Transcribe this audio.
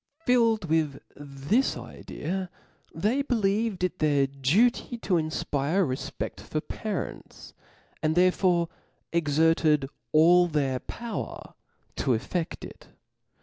Filled with this idea, they believed it their duty to infpire a refpeft for parents, and therefore ex, erted all their power to effedt it.